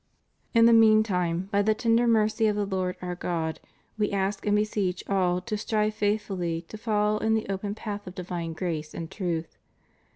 In the meantime, by the tender mercy of the Lord our God, We ask and beseech all to strive faith fully to follow in the open path of di\dne grace and truth.